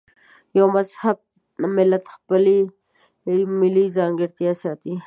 یو مهذب ملت خپلې ملي ځانګړنې ساتي.